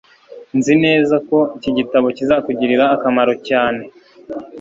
Nzi neza ko iki gitabo kizakugirira akamaro cyane